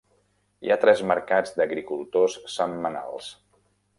Hi ha tres mercats d'agricultors setmanals.